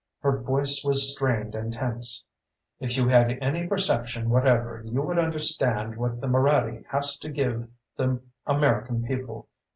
Her voice was strained and tense. "If you had any perception whatever, you would understand what the Moraddy has to give the American people.